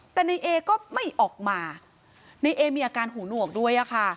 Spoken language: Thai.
แต่ในเอก็ไม่ออกมาในเอมีอาการหูหนวกด้วยอะค่ะ